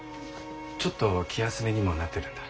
ちょっと気休めにもなってるんだ。